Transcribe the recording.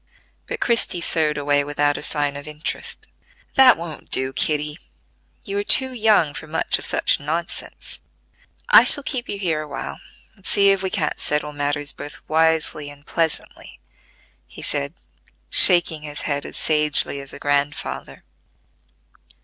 But Christie sewed away without a sign of interest. "That won't do, Kitty: you are too young for much of such nonsense. I shall keep you here a while, and see if we can't settle matters both wisely and pleasantly," he said, shaking his head as sagely as a grandfather.